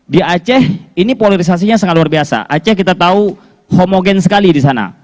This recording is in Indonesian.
di aceh ini polarisasinya sangat luar biasa aceh kita tahu homogen sekali di sana